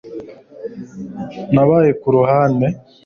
Nabaye ku ruhande